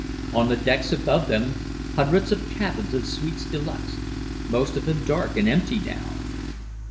On the decks above them, hundreds of cabins and suites de luxe most of them dark and empty now.